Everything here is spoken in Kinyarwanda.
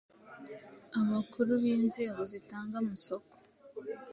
abakuru b’inzego zitanga amasoko